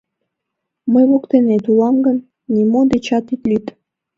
Мый воктенет улам гын, нимо дечат ит лӱд.